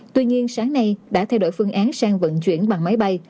tuy nhiên sáng nay đã thay đổi phương án sang vận chuyển bằng máy bay